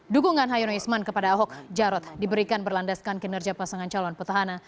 dukungan hayono isman kepada ahok jarot diberikan berlandaskan kinerja pasangan calon petahana